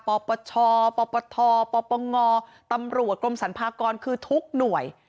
ปปชปปทปปงตำรวจกรมสรรพากรคือทุกหน่วย